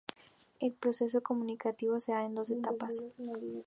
El proceso comunicativo se da en dos etapas.